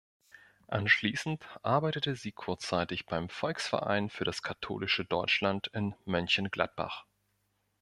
Anschließend arbeitete sie kurzzeitig beim Volksverein für das katholische Deutschland in Mönchengladbach.